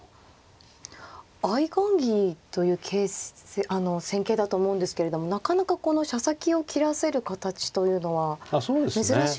相雁木という戦型だと思うんですけれどもなかなかこの飛車先を切らせる形というのは珍しいですよね。